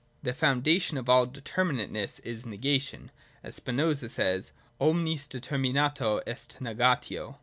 The foundation of all determinateness is negation (as Spinoza says, Omnis determinatio est negatio).